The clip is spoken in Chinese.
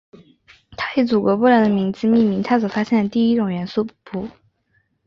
她以祖国波兰的名字命名她所发现的第一种元素钋。